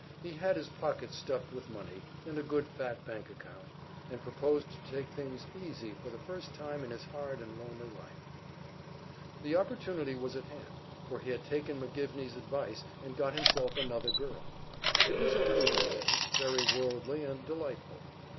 He had his pockets stuffed with money, and a good fat bank account, and proposed to take things easy for the first time in his hard and lonely life. The opportunity was at hand: for he had taken McGivney's advise and got himself another girl. It was a little romance, very worldly and delightful.